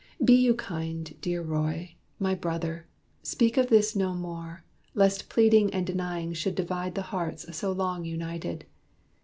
Be you kind Dear Roy, my brother! speak of this no more, Lest pleading and denying should divide The hearts so long united.